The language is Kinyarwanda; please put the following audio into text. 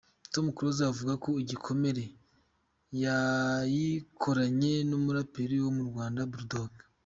Tom Close avuga ko “Igikomere” yayikoranye n’umuraperi wo mu Rwanda, Bull Dogg.